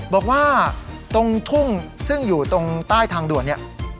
บอกว่าตรงทุ่งซึ่งอยู่ตรงใต้ทางด่วนเนี่ย